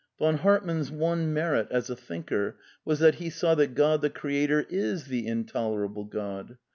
Von Hartmann's one merit as a thinker was that ^ ^e saw that God the Creator is the intolerable Qod.